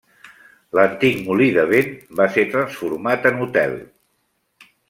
L'antic molí de vent va ser transformat en hotel.